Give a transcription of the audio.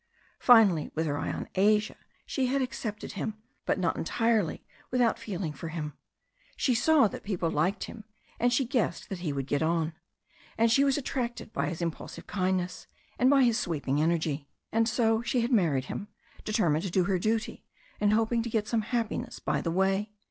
Finally, with her eye on Asia, she had accepted him, but not entirely without feeling for him. She saw that people liked him, and she guessed that he would get on. And she was attracted by his impulsive kindness, and by his sweep ing energy. And so she had married him, determined to do her duty, and hoping to get some happiness by the way.